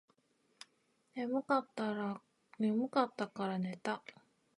眠かったらから寝た